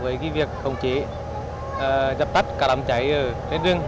với việc khống chế dập tắt cả đám cháy trên rừng